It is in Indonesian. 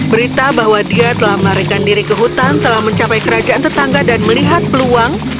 berita bahwa dia telah melarikan diri ke hutan telah mencapai kerajaan tetangga dan melihat peluang